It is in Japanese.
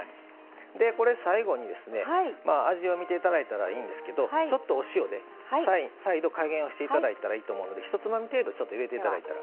これ最後に味を見ていただいたらいいんですけどちょっとお塩で再度加減をしていただいたらいいと思うのでひとつまみ程度入れていただいたら。